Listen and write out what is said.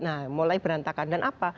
nah mulai berantakan dan apa